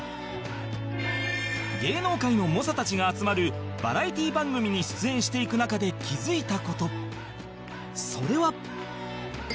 芸能界の猛者たちが集まるバラエティ番組に出演していく中で気づいた事それは